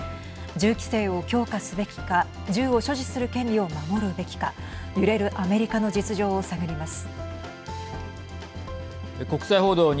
銃規制を強化すべきか銃を所持する権利を守るべきか揺れるアメリカの実情を探ります。